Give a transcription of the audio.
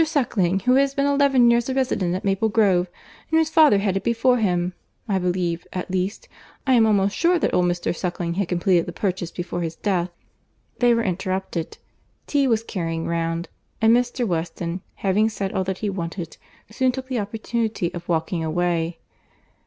Suckling, who has been eleven years a resident at Maple Grove, and whose father had it before him—I believe, at least—I am almost sure that old Mr. Suckling had completed the purchase before his death." They were interrupted. Tea was carrying round, and Mr. Weston, having said all that he wanted, soon took the opportunity of walking away.